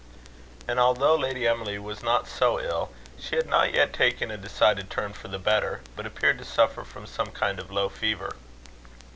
And although Lady Emily was not so ill, she had not yet taken a decided turn for the better, but appeared to suffer from some kind of low fever.